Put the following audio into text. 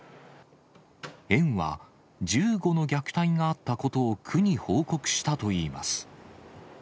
園は、１５の虐待があったことを区に報告したといいます。